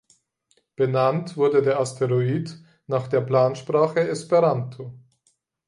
Benannt wurde der Asteroid nach der Plansprache Esperanto.